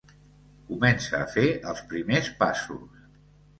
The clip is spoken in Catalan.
Comence a fer els primers passos.